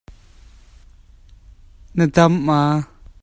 Vom a kah mi kha caw in sa a aih.